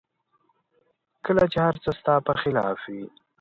کله چې هر څه ستا په خلاف وي